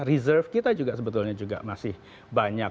reserve kita juga sebetulnya juga masih banyak